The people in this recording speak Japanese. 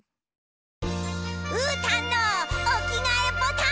うーたんのおきがえボタン。